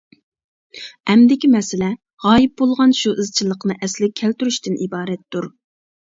ئەمدىكى مەسىلە، غايىب بولغان شۇ ئىزچىللىقنى ئەسلىگە كەلتۈرۈشتىن ئىبارەتتۇر!